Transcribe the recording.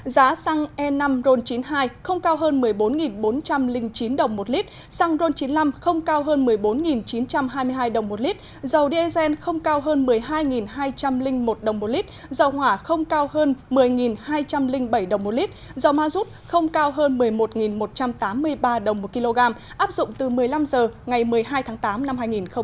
giá xăng e năm ron chín mươi hai không cao hơn một mươi bốn bốn trăm linh chín đồng một lít xăng ron chín mươi năm không cao hơn một mươi bốn chín trăm hai mươi hai đồng một lít dầu dsn không cao hơn một mươi hai hai trăm linh một đồng một lít dầu hỏa không cao hơn một mươi hai trăm linh bảy đồng một lít dầu ma rút không cao hơn một mươi một một trăm tám mươi ba đồng một kg áp dụng từ một mươi năm h ngày một mươi hai tháng tám năm hai nghìn hai mươi